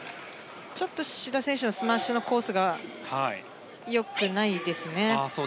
ちょっと志田選手のスマッシュのコースがよくないですね。